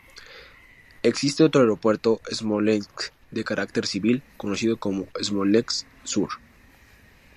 Existe otro aeropuerto en Smolensk, de carácter civil, conocido como "Smolensk Sur".